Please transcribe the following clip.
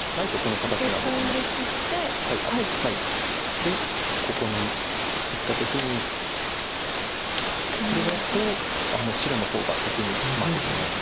でここに打った時にこれだと白の方が先にツマってしまうので。